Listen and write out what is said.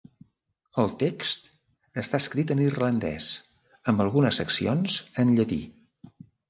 El text està escrit en irlandès, amb algunes seccions en llatí.